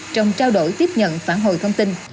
trong trao đổi tiếp nhận phản hồi thông tin